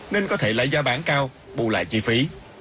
nên có thể lấy giá bán cao bù lại chi phí